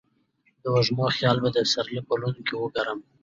د وږمو خیال به د سپرلي پلونو کې وکرمه